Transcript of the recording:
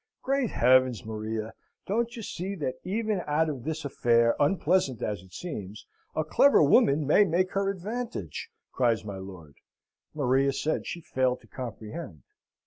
"Great heavens, Maria! Don't you see that even out of this affair, unpleasant as it seems, a clever woman may make her advantage," cries my lord. Maria said she failed to comprehend.